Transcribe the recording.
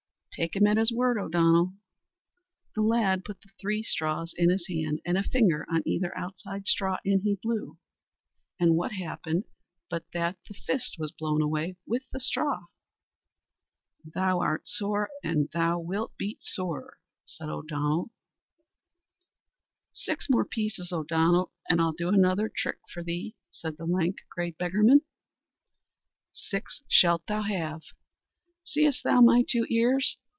"Take him at his word, O'Donnell." The lad put the three straws on his hand, and a finger on either outside straw and he blew; and what happened but that the fist was blown away with the straw. "Thou art sore, and thou wilt be sorer," said O'Donnell. "Six more pieces, O'Donnell, and I'll do another trick for thee," said the lank, grey beggarman. "Six shalt thou have." "Seest thou my two ears!